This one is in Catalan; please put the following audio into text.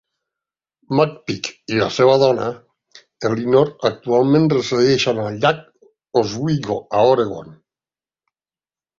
McPeak i la seva dona Elynor actualment resideixen al llac Oswego, a Oregon.